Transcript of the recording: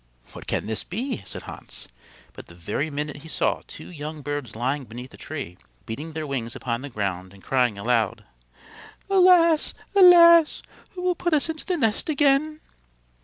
"What can this be?" said Hans; but the very next minute he saw two young birds lying beneath a tree, beating their wings upon the ground and crying aloud: "Alas! Alas! Who will put us into the nest again?"